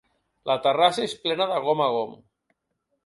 La terrassa és plena de gom a gom.